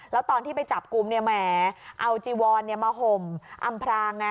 แล้วตอนที่ไปจับกลุ่มเนี่ยแหมเอาจีวอนมาห่มอำพรางไง